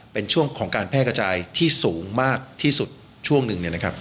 เป็นช่วงของการแพร่กระจายที่สูงมากที่สุดช่วงหนึ่ง